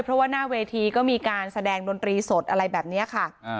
เพราะว่าหน้าเวทีก็มีการแสดงดนตรีสดอะไรแบบนี้ค่ะ